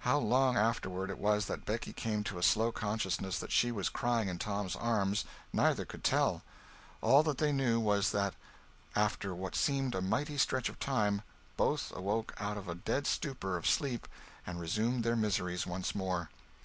How long afterward it was that Becky came to a slow consciousness that she was crying in Tom's arms, neither could tell. All that they knew was, that after what seemed a mighty stretch of time, both awoke out of a dead stupor of sleep and resumed their miseries once more.